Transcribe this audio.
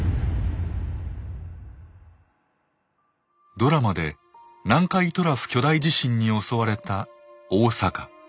ドラマで南海トラフ巨大地震に襲われた大阪。